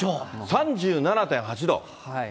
３７．８度。